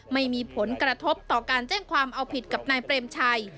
ไม่มีผลกระทบต่อการแจ้งความเอาผิดกับนายเปรมชัย